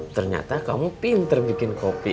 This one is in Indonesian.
ternyata kamu pinter bikin kopi